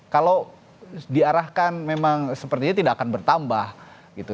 kalau diarahkan memang sepertinya tidak akan bertambah gitu